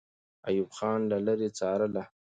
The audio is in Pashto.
ایوب خان له لرې څارله.